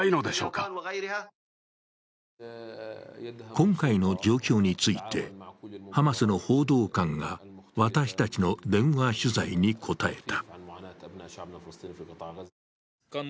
今回の状況について、ハマスの報道官たちが私たちの電話取材に答えた。